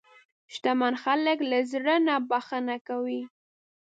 شتمن خلک له زړه نه بښنه کوي.